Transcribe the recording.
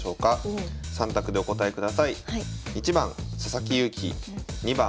３択でお答えください。